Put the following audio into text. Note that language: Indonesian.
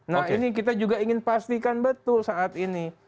nah ini kita juga ingin pastikan betul saat ini